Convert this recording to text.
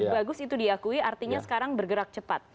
bagus itu diakui artinya sekarang bergerak cepat